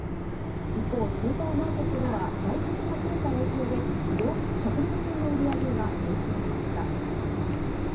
一方、スーパーマーケットでは外食が増えた影響で、食料品の売り上げが減少しました。